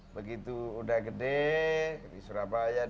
begitu udah gede di surabaya